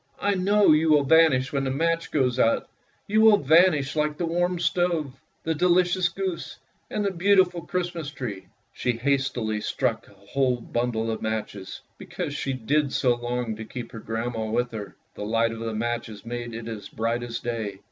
I know you will vanish when the match goes out; you will vanish like the warm stove, the delicious goose, and the beautiful Christmas tree! " She hastily struck a whole bundle of matches, because she did so long to keep her grandmother with her. The light of the matches made it as bright as day.